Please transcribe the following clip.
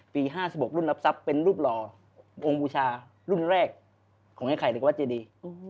๕๖รุ่นรับทรัพย์เป็นรูปหล่อองค์บูชารุ่นแรกของไอ้ไข่หรือวัดเจดี